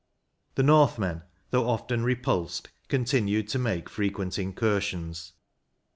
The northmen, though often repulsed, con tinued to make frequent incursions.